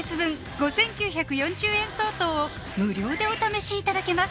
５９４０円相当を無料でお試しいただけます